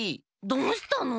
どうしたの？